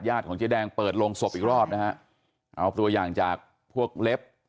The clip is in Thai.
ของเจ๊แดงเปิดโรงศพอีกรอบนะฮะเอาตัวอย่างจากพวกเล็บ